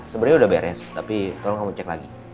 sebenarnya udah beres tapi tolong kamu cek lagi